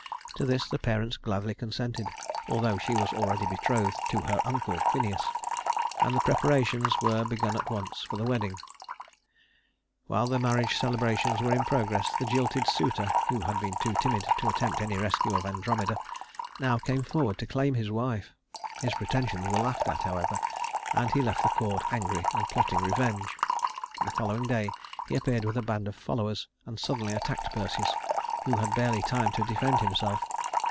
To this the parents gladly consented, although she was already betrothed to her uncle Phineus, and the preparations were begun at once for the wedding. While the marriage celebrations were in progress, the jilted suitor, who had been too timid to attempt any rescue of Andromeda, now came forward to claim his wife. His pretensions were laughed at, however, and he left the court angry and plotting revenge. The following day he appeared with a band of followers and suddenly attacked Perseus, who had barely time to defend himself.